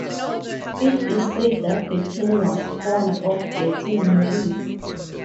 It is said that the King was fond of getting married.